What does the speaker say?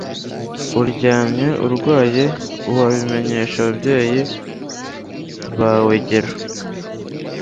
uraryamye urwaye wabimenyesha ababyeyi bawegero